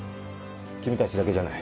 君たちだけじゃない。